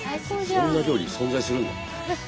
そんな料理存在するんだ。